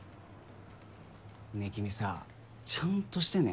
ねえ君さちゃんとしてね。